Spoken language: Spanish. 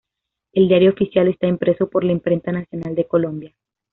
El Diario Oficial está impreso por la Imprenta Nacional de Colombia.